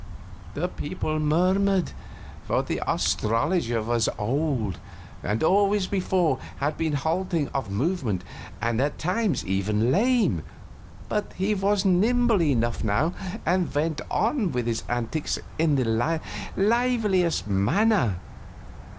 The people murmured, for the astrologer was old, and always before had been halting of movement and at times even lame, but he was nimble enough now and went on with his antics in the liveliest manner.